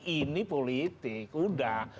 ini politik udah